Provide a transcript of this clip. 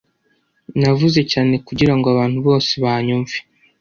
Navuze cyane kugirango abantu bose banyumve